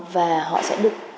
và họ sẽ được tiêu dùng